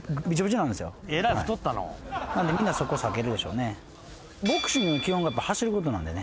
なんでみんなそこ避けるでしょうね。